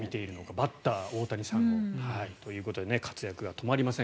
バッター、大谷さんを。ということで活躍が止まりません。